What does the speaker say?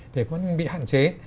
thì vẫn bị hạn chế